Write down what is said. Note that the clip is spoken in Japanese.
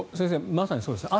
まさにそうですよね。